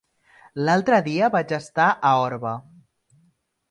L'altre dia vaig estar a Orba.